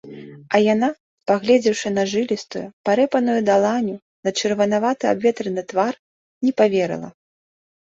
А яна, паглядзеўшы на жылістую, парэпаную даланю, на чырванаваты абветраны твар - не паверыла.